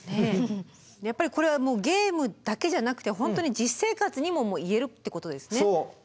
やっぱりこれはゲームだけじゃなくて本当に実生活にも言えるってことですね。